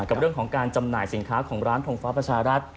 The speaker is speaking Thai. กับเรื่องของการจำหน่ายสินค้าของร้านทงฟ้าประชารัฐ